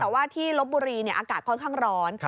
แต่ว่าที่ลบบุรีอากาศค่อนข้างร้อน